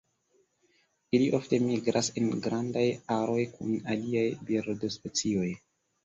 Ili ofte migras en grandaj aroj kun aliaj birdospecioj.